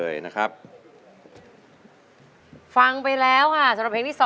ยังยิ้มเสมอ